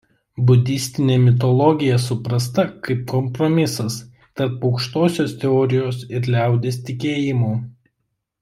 Budistinė mitologija suprasta kaip kompromisas tarp aukštosios teorijos ir liaudies tikėjimų.